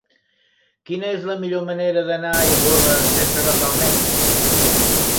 Quina és la millor manera d'anar a Ivorra sense agafar el metro?